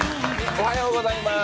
おはようございます。